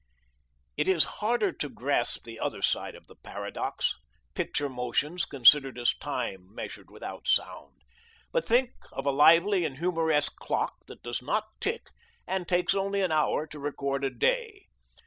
It is harder to grasp the other side of the paradox, picture motions considered as time measured without sound. But think of a lively and humoresque clock that does not tick and takes only an hour to record a day.